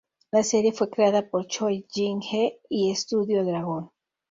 La serie fue creada por Choi Jin-hee y "Studio Dragon".